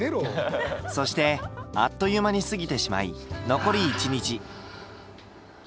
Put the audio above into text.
そしてあっという間に過ぎてしまい残り１日。